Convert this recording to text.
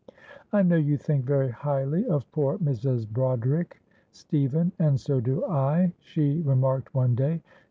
"I know you think very highly of poor Mrs. Broderick, Stephen, and so do I," she remarked one day.